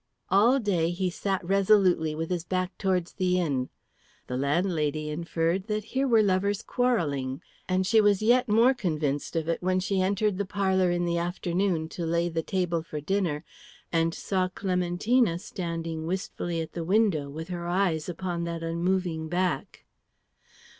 All day he sat resolutely with his back towards the inn. The landlady inferred that here were lovers quarrelling, and she was yet more convinced of it when she entered the parlour in the afternoon to lay the table for dinner and saw Clementina standing wistfully at the window with her eyes upon that unmoving back.